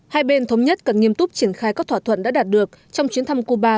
hai bên thống nhất cần nghiêm túc triển khai các thỏa thuận đã đạt được trong chuyến thăm cuba